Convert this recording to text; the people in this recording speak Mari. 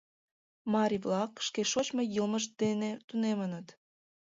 Марий-влак шке шочмо йылмышт дене тунемыт.